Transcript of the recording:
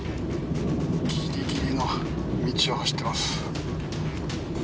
ギリギリの道を走ってます。